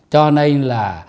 cho nên là